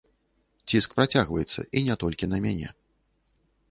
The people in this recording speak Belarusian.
Ціск працягваецца, і не толькі на мяне.